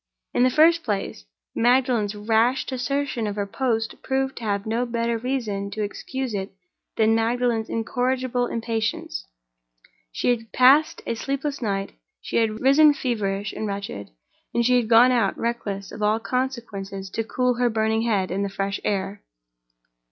In the first place, Magdalen's rash desertion of her post proved to have no better reason to excuse it than Magdalen's incorrigible impatience: she had passed a sleepless night; she had risen feverish and wretched; and she had gone out, reckless of all consequences, to cool her burning head in the fresh air.